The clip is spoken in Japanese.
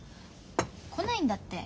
来ないんだって。